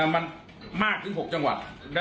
มันมากถึง๖จังหวัด